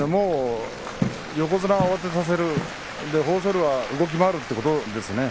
横綱を慌てさせる豊昇龍も動き回るということですね。